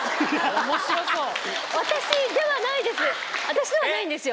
私ではないんですよ。